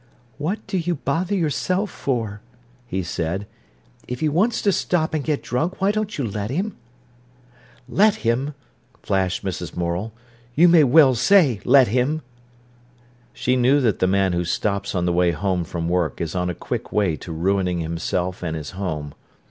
"What do you bother yourself for?" he said. "If he wants to stop and get drunk, why don't you let him?" "Let him!" flashed Mrs. Morel. "You may well say 'let him'." She knew that the man who stops on the way home from work is on a quick way to ruining himself and his home.